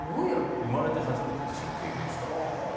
生まれて初めて地震を経験したっていうので。